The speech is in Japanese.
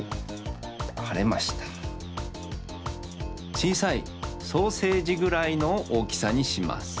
ちいさいソーセージぐらいのおおきさにします。